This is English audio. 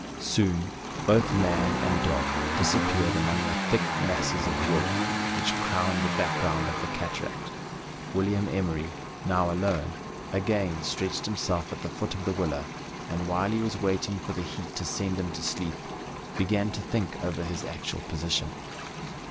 Soon both man and dog dis appeared among the thick masses of wood which crowned the background of the cataract. WiUiam Emery, now alone, again stretched himself at the foot of the willow, and while he was waiting for the heat to send him to sleep, began to think over his actual position.